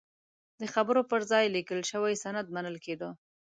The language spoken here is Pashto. د خبرو پر ځای لیکل شوی سند منل کېده.